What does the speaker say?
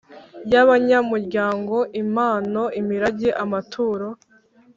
Y Abanyamuryango Impano Imirage Amaturo